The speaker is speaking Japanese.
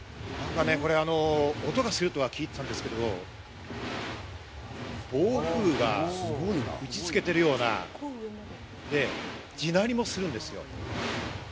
音がするとは聞いていたんですけれども、暴風が打ち付けているような、地鳴りもするんですよ。